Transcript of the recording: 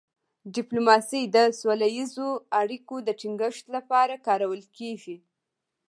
ډيپلوماسي د سوله ییزو اړیکو د ټینګښت لپاره کارول کېږي.